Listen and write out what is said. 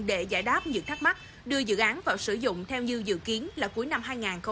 để giải đáp những thắc mắc đưa dự án vào sử dụng theo như dự kiến là cuối năm hai nghìn hai mươi